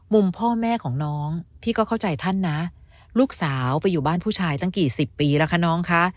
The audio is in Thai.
พ่อแม่ของน้องพี่ก็เข้าใจท่านนะลูกสาวไปอยู่บ้านผู้ชายตั้งกี่สิบปีแล้วคะน้องคะ